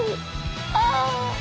ああ。